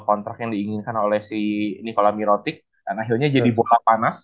kontrak yang diinginkan oleh si nikola mirotic akhirnya jadi bola panas kira kira semikin mpp